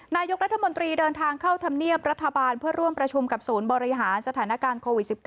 นายกรัฐมนตรีเดินทางเข้าธรรมเนียบรัฐบาลเพื่อร่วมประชุมกับศูนย์บริหารสถานการณ์โควิด๑๙